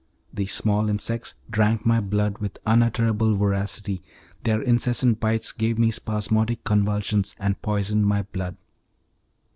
These small insects drank my blood with unutterable voracity, their incessant bites gave me spasmodic convulsions and poisoned my blood.